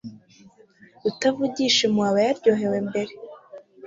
Rutavugisha impuha abo yaryoheye mbere